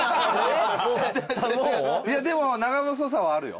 でも長細さはあるよ。